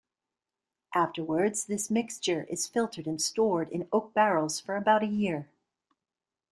Afterwards, this mixture is filtered and stored in oak barrels for about a year.